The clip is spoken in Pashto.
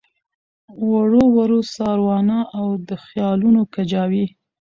ورو ورو ساروانه او د خیالونو کجاوې